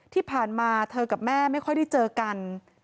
ที่ผ่านมาเธอกับแม่ไม่ค่อยได้เจอกัน